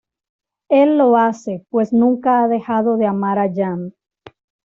Él lo hace pues nunca ha dejado de amar a Yang.